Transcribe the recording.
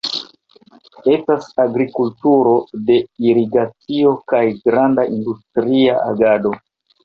Estas agrikulturo de irigacio kaj granda industria agado.